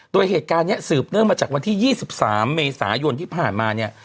โดยเหตุการณ์นี้สืบเนื่องมาจากวันที่๒๓เมษายนที่ผ่านมาเนี่ย